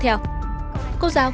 thôi kệ con